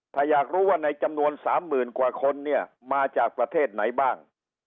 ถ้าอยากรู้ว่าในจำนวน๓๐๐๐กว่าคนเนี่ยมาจากประเทศไหนบ้าง